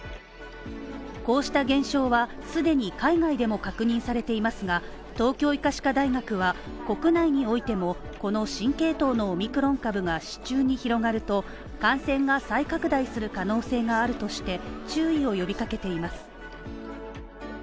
こうした現象は既に海外でも確認されていますが、東京医科歯科大学は、国内においても、この新系統のオミクロン株が市中に広がると感染が再拡大する可能性があるとして注意を呼びかけています。